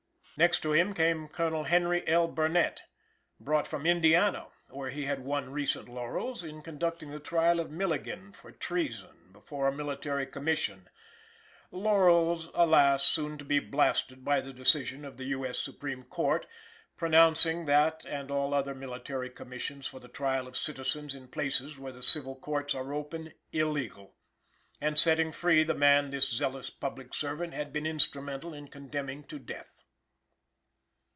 Next to him came Colonel Henry L. Burnett; brought from Indiana where he had won recent laurels in conducting the trial of Milligan for treason before a Military Commission laurels, alas! soon to be blasted by the decision of the U. S. Supreme Court pronouncing that and all other Military Commissions for the trial of citizens in places where the civil courts are open illegal, and setting free the man this zealous public servant had been instrumental in condemning to death.